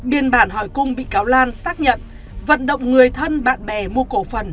biên bản hỏi cung bị cáo lan xác nhận vận động người thân bạn bè mua cổ phần